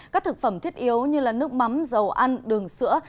các thực phẩm thiết yếu như nước mắm dầu ăn đường sữa